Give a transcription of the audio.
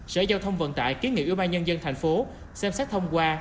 sở giao thông vận tải kiến nghị ưu ba nhân dân thành phố xem xét thông qua